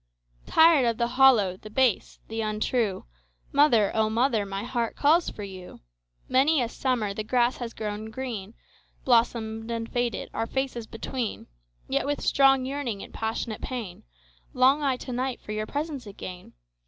Tired of the hollow, the base, the untrue, Mother, O mother, my heart calls for you! Many a summer the grass has grown green, Blossomed and faded, our faces between:Yet, with strong yearning and passionate pain, Long I to night for your presence again.